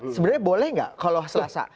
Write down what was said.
sebenarnya boleh nggak kalau selasa